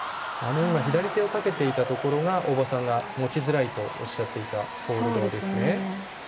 左手をかけていたところが大場さんが持ちづらいとおっしゃっていたホールドなんですね。